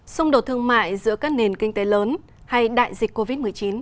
xung đột thương mại giữa các nền kinh tế lớn hay đại dịch covid một mươi chín